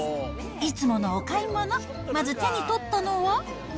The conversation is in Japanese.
いつものお買い物、まず手に取ったのは。